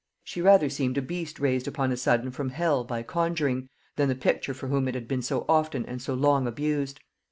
She rather seemed a beast raised upon a sudden from hell by conjuring, than the picture for whom it had been so often and so long abused.